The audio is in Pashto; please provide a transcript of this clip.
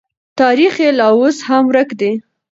تاریخ یې لا اوس هم ورک دی.